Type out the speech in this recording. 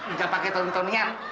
nggak pake ton tonian